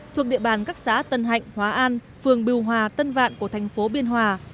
thuộc địa bàn các xã tân hạnh hóa an phường bưu hòa tân vạn của thành phố biên hòa